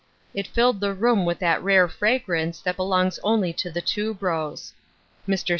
It filled the room with that rare fragrance that belongs only to the tuberose. Mr.